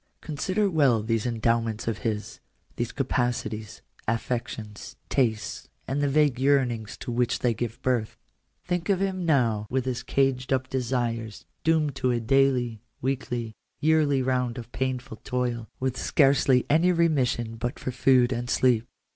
Consider well these endowments of his — these capacities, affections, tastes, and the vague yearnings to which they give birth. Think of him now with his caged up desires doomed to a daily, weekly, yearly round of painful toil, with scarcely any remission but for food and sleep.